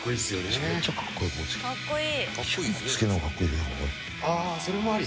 かっこいい。